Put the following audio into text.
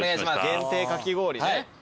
限定かき氷ね。